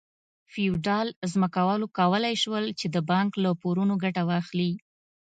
فیوډال ځمکوالو کولای شول چې د بانک له پورونو ګټه واخلي.